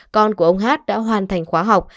con của ông hát đã hoàn thành khóa học